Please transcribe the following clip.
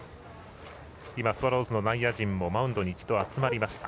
今、スワローズの内野陣もマウンドに集まりました。